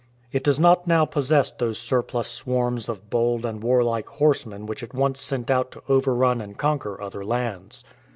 "" It does not now possess those surplus swarms of bold and warlike horsemen which it once sent out to overrun and conquer other lands.